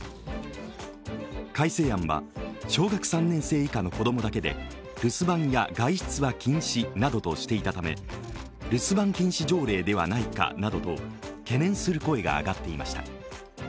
改正案は小学３年生以下の子供だけで留守番や外出は禁止などとしていたため留守番禁止条例ではないかなど懸念する声が上がっていました。